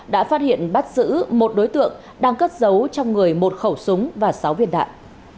đã phát hiện bắt giữ một đối tượng đang cất giấu trong người một khẩu súng và sáu viên đạn